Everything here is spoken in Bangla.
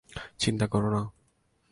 চিন্তা করো না!